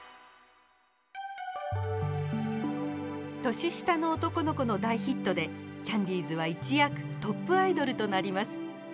「年下の男の子」の大ヒットでキャンディーズは一躍トップアイドルとなります。